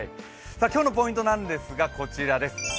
今日のポイントなんですが、こちらです。